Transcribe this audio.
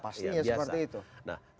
pastinya seperti itu